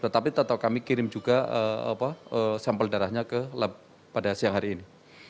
tetapi tetap kami kirim juga sampel darahnya ke lab pada siang hari ini